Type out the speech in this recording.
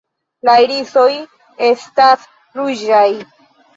La irisoj estas ruĝaj.